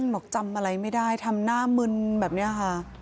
บอกจำอะไรไม่ได้ทำหน้ามึนแบบนี้ค่ะ